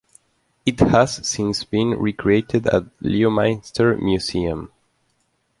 It has since been recreated at Leominster Museum.